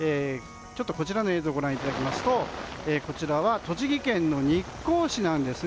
こちらの映像をご覧いただきますとこちらは栃木県の日光市です。